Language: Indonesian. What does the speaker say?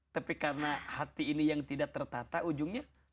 tapi karena hati ini yang tidak tertata ujungnya